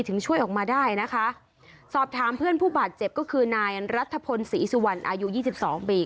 ช่วยออกมาได้นะคะสอบถามเพื่อนผู้บาดเจ็บก็คือนายรัฐพลศรีสุวรรณอายุยี่สิบสองปี